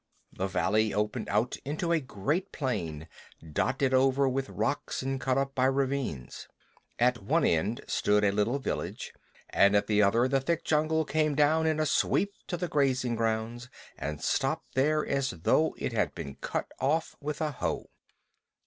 The valley opened out into a great plain dotted over with rocks and cut up by ravines. At one end stood a little village, and at the other the thick jungle came down in a sweep to the grazing grounds, and stopped there as though it had been cut off with a hoe.